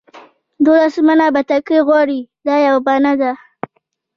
دولس منه بتکۍ غواړي دا یوه بهانه ده.